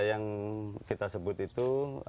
yang kita sebut itu